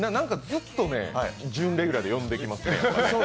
ずっと準レギュラーで呼んできますね。